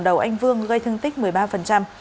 đầu anh vương gây thương tích một mươi ba